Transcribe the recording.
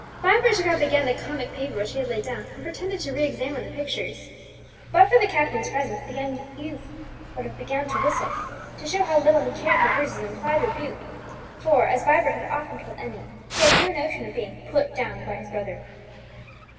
Vibert took up again the comic paper which he had laid down, and pretended to re examine the pictures. But for the captain's presence the youth would have begun to whistle, to show how little he cared for Bruce's implied rebuke; for, as Vibert had often told Emmie, he had no notion of being "put down" by his brother.